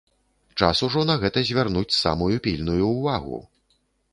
Час ужо на гэта звярнуць самую пільную ўвагу.